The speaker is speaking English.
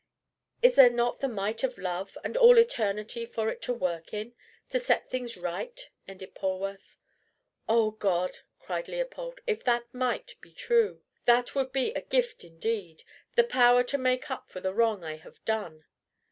"Is there not the might of love, and all eternity for it to work in, to set things right?" ended Polwarth. "O God!" cried Leopold, "if that might be true! That would be a gift indeed the power to make up for the wrong I have done!"